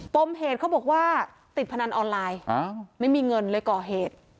ปมเหตุเขาบอกว่าติดพนันออนไลน์ไม่มีเงินเลยก่อเหตุ